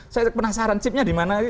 saya penasaran chipnya di mana